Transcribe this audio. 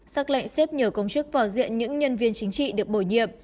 xác lệnh xếp nhờ công chức vào diện những nhân viên chính trị được bổ nhiệm